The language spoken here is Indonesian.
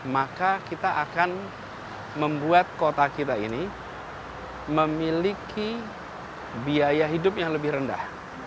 maka kita akan membuat kota kita ini memiliki biaya hidup yang lebih rendah